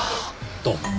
どうも。